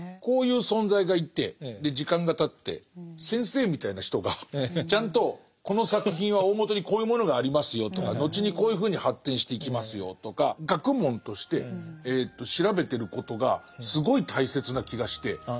こういう存在がいてで時間がたって先生みたいな人がちゃんとこの作品は大もとにこういうものがありますよとか後にこういうふうに発展していきますよとか学問として調べてることがすごい大切な気がして。